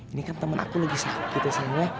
ini kan temen aku lagi sakit gitu sayangnya